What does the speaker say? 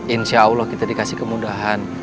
insya allah kita dikasih kemudahan